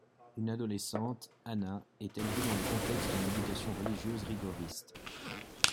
Une adolescente, Ana, est élevée dans le contexte d'une éducation religieuse rigoriste.